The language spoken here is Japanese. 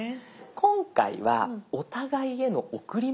今回はお互いへの贈り物。